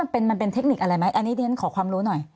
มันเป็นเทคนิคอะไรไหมอันนี้เรียนขอความรู้หน่อย